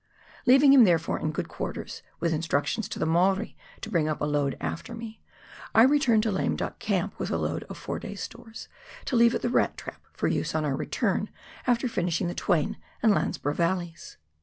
Leaving him, therefore, in good quarters, with instructions to the Maori to bring up a load after me, I returned to Lame Duck Camp, with a load of four days' stores to leave at the Rat Trap, for use on our return after finishing the Twain and Landsborough Yalleys.